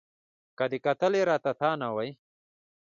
که دې کتلي را ته نه وای